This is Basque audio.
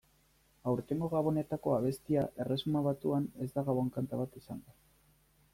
Aurtengo Gabonetako abestia Erresuma Batuan ez da gabon-kanta bat izango.